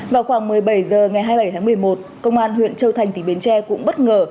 vào khoảng một mươi bảy h ngày hai mươi bảy tháng một mươi một công an huyện châu thành tỉnh bến tre cũng bất ngờ